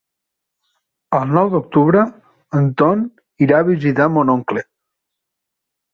El nou d'octubre en Ton irà a visitar mon oncle.